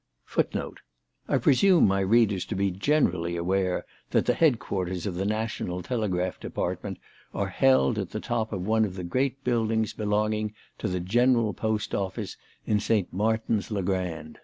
* And * I presume my readers to be generally aware that the head quarters of the National Telegraph Department are held at the top of one of the great buildings belonging to the General Post Office, in St. Martin' s le Grand.